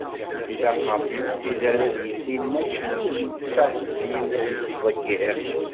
Ilaq ɣef yimsider ad yissin mačči ad d-yettaɣ, syin ad yettḍeggir.